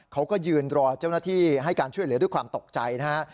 เขาก็ยืนรอเจ้าหน้าที่ให้การช่วยเหลือด้วยความตกใจนะฮะ